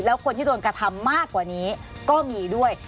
แล้วคนที่โดนกระทำมากกว่านี้ก็มีด้วย